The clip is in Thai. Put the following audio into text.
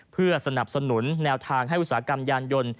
เพื่อสนับสนุนแนวทางให้อุตสาหกรรมยานยนต์